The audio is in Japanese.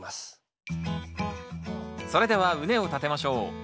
それでは畝を立てましょう。